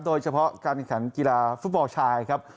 โดยเฉพาะการแข่งขันกีฬาฟุตบอลชายครับ